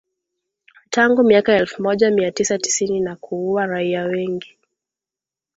tangu miaka ya elfu moja mia tisa tisini na kuua raia wengi